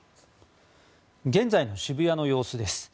現在の渋谷の様子です。